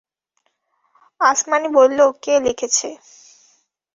আসমানি বলল, কে লিখেছে?